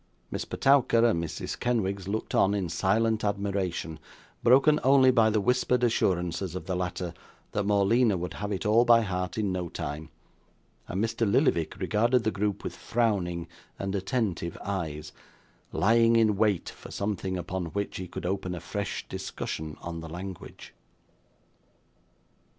Miss Petowker and Mrs. Kenwigs looked on, in silent admiration, broken only by the whispered assurances of the latter, that Morleena would have it all by heart in no time; and Mr. Lillyvick regarded the group with frowning and attentive eyes, lying in wait for something upon which he could open a fresh discussion on the language.